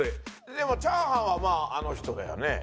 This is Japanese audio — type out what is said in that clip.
でもチャーハンはまああの人だよね？